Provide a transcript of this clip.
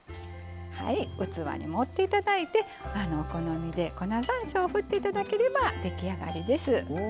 器に盛って頂いてお好みで粉ざんしょうをふって頂ければ出来上がりです。